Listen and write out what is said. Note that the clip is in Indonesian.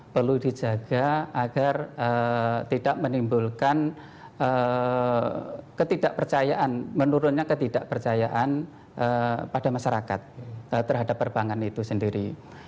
perlu dijaga agar tidak menimbulkan ketidakpercayaan menurunnya ketidakpercayaan pada masyarakat terhadap perbankan itu sendiri